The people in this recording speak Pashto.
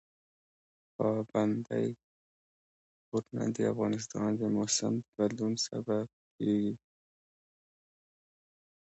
پابندی غرونه د افغانستان د موسم د بدلون سبب کېږي.